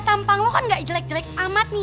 tampang lo kan gak jelek jelek amat